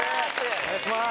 お願いします